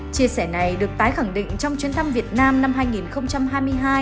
chia sẻ này được tái khẳng định trong chuyến thăm việt nam năm hai nghìn hai mươi hai